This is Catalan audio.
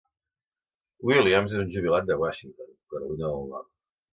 Williams és un jubilat de Washington, Carolina del Nord.